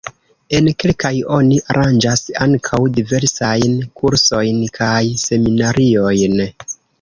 En kelkaj oni aranĝas ankaŭ diversajn kursojn kaj seminariojn.